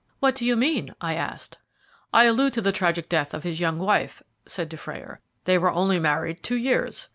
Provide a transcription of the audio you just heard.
"What do you mean?" I asked. "I allude to the tragic death of his young wife," said Dufrayer. "They were only married two years.